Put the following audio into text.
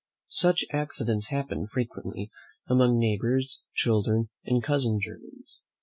Such accidents happen frequently among neighbours' children, and cousin germans.